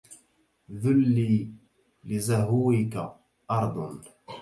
ذلي لزهوك أرض